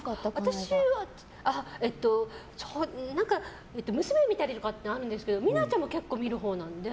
私は娘が見たりとかってあるんですけど美奈代ちゃんも結構見るほうなので。